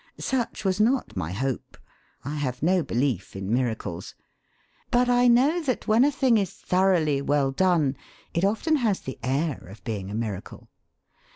Such was not my hope. I have no belief in miracles. But I know that when a thing is thoroughly well done it often has the air of being a miracle.